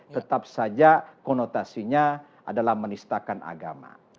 tetap saja konotasinya adalah menistakan agama